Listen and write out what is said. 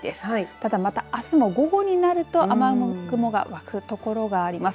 ただ、またあすも午後になると雨雲が湧く所があります。